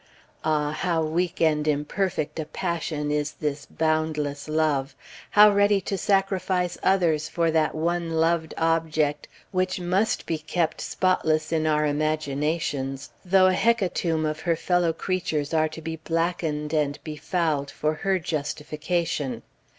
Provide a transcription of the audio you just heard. Ah! how weak and imperfect a passion is this boundless love! How ready to sacrifice others for that one loved object, which must be kept spotless in our imaginations, though a hecatomb of her fellow creatures are to be blackened and befouled for her justification.